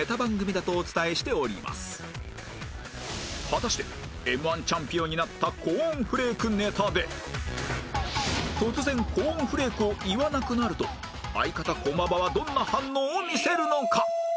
果たして Ｍ−１ チャンピオンになったコーンフレークネタで突然「コーンフレーク」を言わなくなると相方駒場はどんな反応を見せるのか？